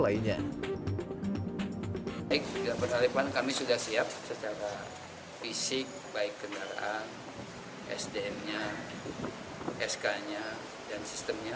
lainnya baik penaripan kami sudah siap secara fisik baik kendaraan sdm nya sk nya dan sistemnya